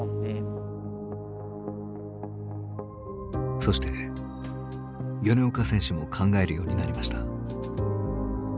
そして米岡選手も考えるようになりました。